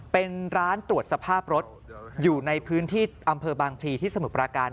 เป็นร้านตรวจสภาพรถอยู่ในพื้นที่อำเภอบางพลีที่สมุทรปราการ